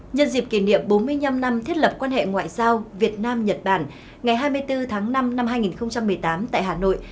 nhân dịp kỷ niệm bốn mươi năm năm thiết lập quan hệ ngoại giao việt nam nhật bản ngày hai mươi bốn tháng năm năm hai nghìn một mươi tám tại hà nội